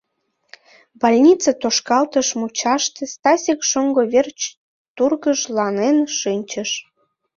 Больнице тошкалтыш мучаште Стасик шоҥго верч тургыжланен шинчыш.